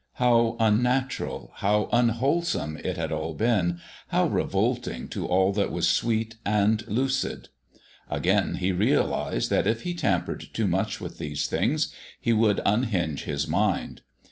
How unnatural, how unwholesome it had all been, how revolting to all that was sweet and lucid. Again he realized that if he tampered too much with these things he would unhinge his mind.